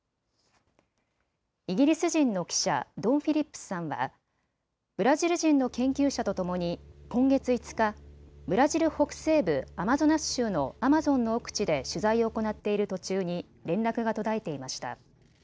イギリス人の記者、ドン・フィリップスさんはブラジル人の研究者とともに今月５日、ブラジル北西部アマゾナス州のアマゾンの奥地で取材を行っている途中に連絡が途絶えていました。